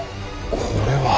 これは。